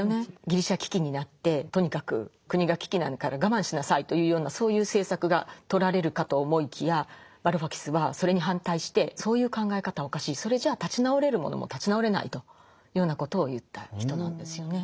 ギリシャ危機になってとにかく国が危機なんだから我慢しなさいというようなそういう政策がとられるかと思いきやバルファキスはそれに反対してそういう考え方はおかしいそれじゃ立ち直れるものも立ち直れないというようなことを言った人なんですよね。